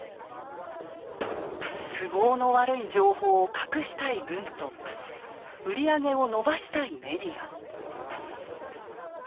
都合の悪い情報を隠したい軍と売り上げを伸ばしたいメディア。